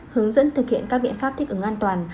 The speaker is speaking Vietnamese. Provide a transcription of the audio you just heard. hướng dẫn thực hiện các biện pháp thích ứng an toàn